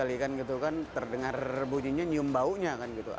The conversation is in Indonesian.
itu terdengar bunyinya nyium baunya kan